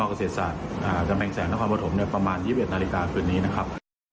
ต้องแหละที่มศดำแห่งแสงนครพอร์ธมประมาณ๒๑นาฬิกาคืนนี้นะครับ